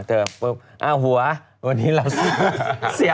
เอาหัววันนี้เราเสีย